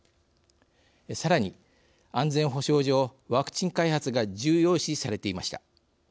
さらに、安全保障上ワクチン開発が重要視されていました。